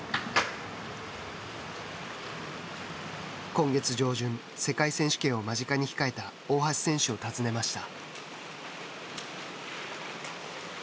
今月上旬世界選手権を間近に控えた大橋選手を訪ねました。